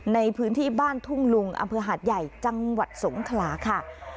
ในพื้นที่บ้านทุ่งลุงอำเภอหาดใหญ่จังหวัดสงขลาค่ะ